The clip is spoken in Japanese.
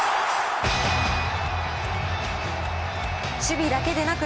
守備だけでなく。